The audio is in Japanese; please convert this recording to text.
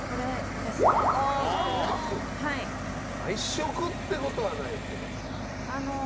毎食ってことはないけど。